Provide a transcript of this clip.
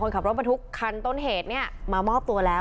ขับรถบรรทุกคันต้นเหตุเนี่ยมามอบตัวแล้ว